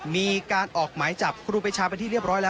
มีการออกหมายจับครูปีชาเป็นที่เรียบร้อยแล้ว